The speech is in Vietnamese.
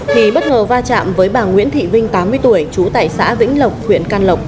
thì bất ngờ va chạm với bà nguyễn thị vinh tám mươi tuổi trú tại xã vĩnh lộc huyện can lộc